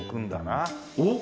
おっ！